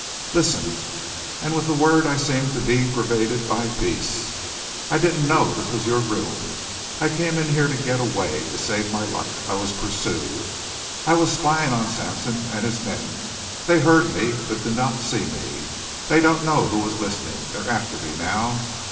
"Listen," and with the word I seemed to be pervaded by peace. "I didn't know this was your room. I came in here to get away to save my life. I was pursued. I was spying on Sampson and his men. They heard me, but did not see me. They don't know who was listening. They're after me now.